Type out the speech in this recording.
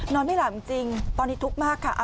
ไม่หลับจริงตอนนี้ทุกข์มากค่ะ